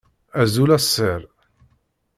Azul a sser!